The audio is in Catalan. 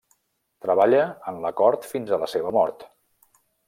Treballà en la cort fins a la seva mort.